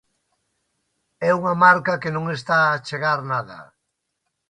É unha marca que non está a achegar nada.